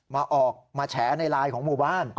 ออกมาแฉในไลน์ของหมู่บ้าน